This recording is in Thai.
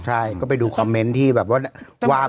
ใช่ก็ไปดูคอมเมนต์ที่แบบว่า